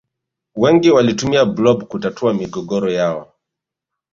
Wengi walitumia blob kutatua migogoro yao